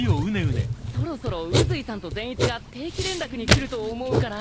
そろそろ宇髄さんと善逸が定期連絡に来ると思うから。